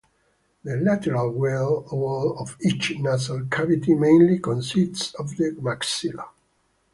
The lateral wall of each nasal cavity mainly consists of the maxilla.